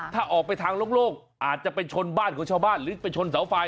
ถ้าออกไปทางโล่งอาจจะไปชนบ้านของชาวบ้านหรือไปชนเสาไฟ